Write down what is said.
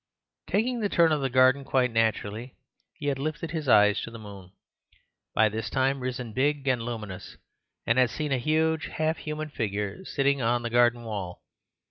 —" Taking the turn of the garden quite naturally, he had lifted his eyes to the moon, by this time risen big and luminous, and had seen a huge, half human figure sitting on the garden wall.